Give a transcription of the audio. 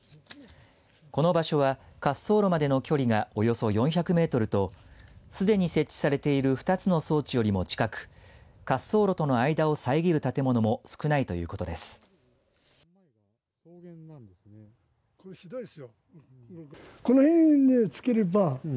この場所は、滑走路までの距離がおよそ４００メートルとすでに設置されている２つの装置よりも近く滑走路との間を遮る建物も少ないということです。